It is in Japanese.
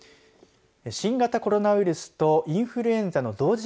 新型コロナウイルスとインフルエンザの同時